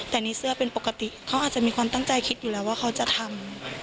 แต่ในเสื้อเป็นปกติเขาอาจจะมีความตั้งใจคิดอยู่แล้วว่าเขาจะทำ